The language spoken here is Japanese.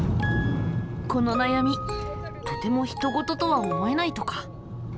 この悩みとてもひとごととは思えないとか。